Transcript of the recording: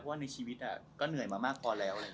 เพราะว่าในชีวิตก็เหนื่อยมากพอแล้ว